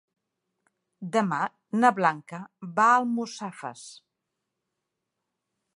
Demà na Blanca va a Almussafes.